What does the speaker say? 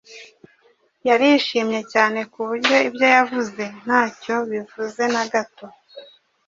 Yarishimye cyane ku buryo ibyo yavuze ntacyo bivuze na gato.